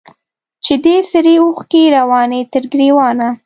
چي دي سرې اوښکي رواني تر ګرېوانه